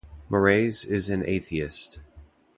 Moraes is an atheist.